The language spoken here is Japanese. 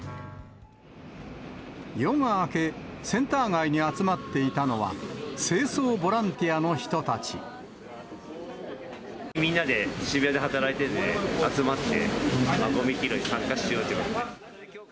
夜が明け、センター街に集まっていたのは、みんなで渋谷で働いてて、集まって、ごみ拾い参加しようということで。